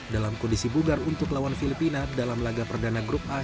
dalam kondisi bugar untuk lawan filipina dalam laga perdana grup a